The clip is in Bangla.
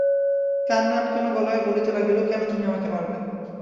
কান্না আটকানো গলায় বলিতে লাগিল-কেন তুমি আমাকে মারবে?